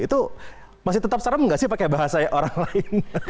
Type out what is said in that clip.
itu masih tetap serem gak sih pakai bahasa orang lain